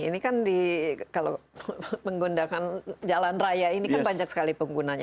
ini kan di kalau menggunakan jalan raya ini kan banyak sekali penggunanya